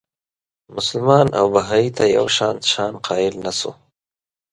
مسلمان او بهايي ته یو شان شأن قایل نه شو.